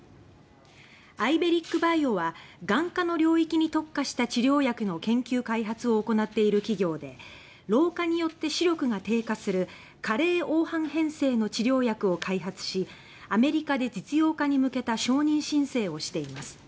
アイベリック・バイオは眼科の領域に特化した治療薬の研究開発を行っている企業で老化によって視力が低下する加齢黄斑変性の治療薬を開発しアメリカで実用化に向けた承認申請をしています。